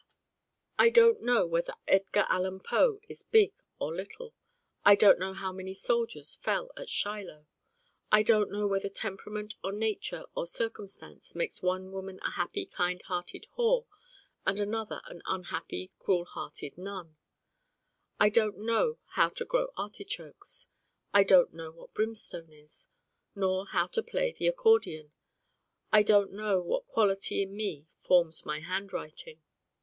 I Don't Know whether Edgar Allan Poe is big or little: I don't know how many soldiers fell at Shiloh: I don't know whether temperament or nature or circumstance makes one woman a happy kindhearted whore and another an unhappy cruel hearted nun: I don't know how to grow artichokes: I don't know what brimstone is, nor how to play the accordion: I don't know what quality in me forms my handwriting.